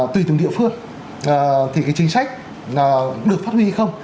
tùy từng địa phương thì cái chính sách được phát huy hay không